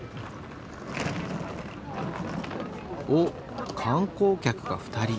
おっ観光客が２人。